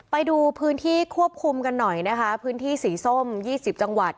ไปดูพื้นที่ควบคุมกันหน่อยนะคะพื้นที่สีส้ม๒๐จังหวัด